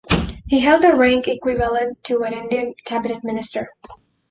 He held the rank equivalent to an Indian Cabinet Minister.